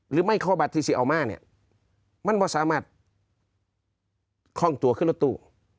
หรือไม่เข้าบัตรที่สิเอามาเนี่ยมันว่าสามารถคล่องตั๋วขึ้นรถตู้